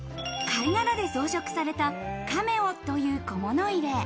貝殻で装飾された、カメオという小物入れ。